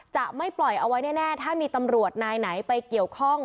จะไม่ปล่อยเอาไว้แน่ถ้ามีตำรวจนายไหนไปเกี่ยวข้อง